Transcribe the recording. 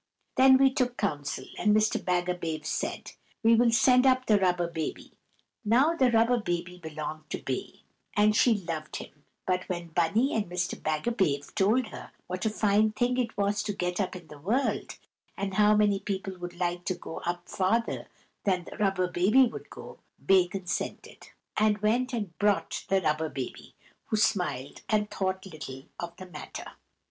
Then we took counsel, and Mr. Bagabave said, "We will send up the Rubber Baby." Now the Rubber Baby belonged to Bay, and she loved him; but when Bunny and Mr. Bagabave told her what a fine thing it was to get up in the world, and how many people would like to go up farther than the Rubber Baby would go, Bay consented, and went and brought the Rubber Baby, who smiled and thought little of the matter.